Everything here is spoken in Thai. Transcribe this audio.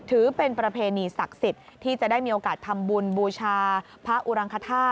ถือเป็นประเพณีศักดิ์สิทธิ์ที่จะได้มีโอกาสทำบุญบูชาพระอุรังคธาตุ